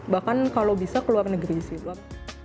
bahkan kalau bisa ke luar negeri sih dok